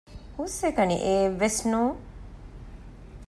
ހުސްއެކަނި އެއެއް ވެސް ނޫން